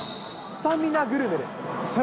スタミナグルメ？